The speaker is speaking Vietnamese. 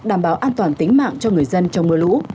an toàn tính mạng cho người dân trong mưa lũ